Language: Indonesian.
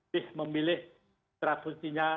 boleh memilih putera putrinya